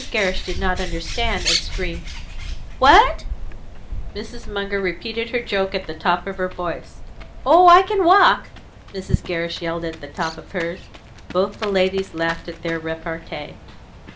Gerrish did not understand, and screamed, "What?" Mrs. Munger repeated her joke at the top of her voice. "Oh, I can walk!" Mrs. Gerrish yelled at the top of hers. Both the ladies laughed at their repartee.